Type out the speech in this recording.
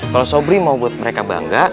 kalau sobri mau buat mereka bangga